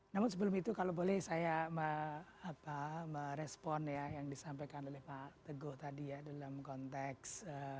namun sebelum itu kalau boleh saya merespon ya yang disampaikan oleh pak teguh tadi ya dalam konteks